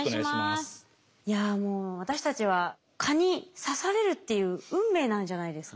いやもう私たちは蚊に刺されるっていう運命なんじゃないですか？